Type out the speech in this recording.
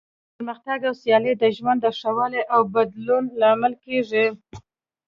پرمختګ او سیالي د ژوند د ښه والي او بدلون لامل کیږي.